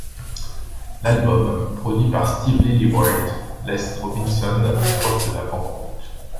L'album, produit par Steve Lillywhite, laisse Robinson proche de la banqueroute.